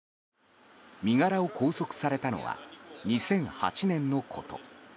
身柄を拘束されたのは２００８年のこと。